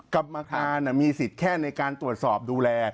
กรรมการมีสิทธิ์แค่ในการตรวจสอบดูแล